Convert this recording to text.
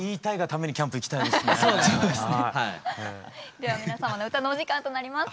では皆様の歌のお時間となります。